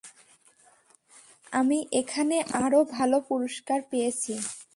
আমি এখানে আরও ভালো পুরষ্কার পেয়েছি।